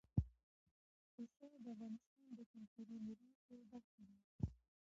پسه د افغانستان د کلتوري میراث یوه برخه ده.